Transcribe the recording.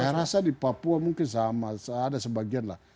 saya rasa di papua mungkin sama ada sebagian lah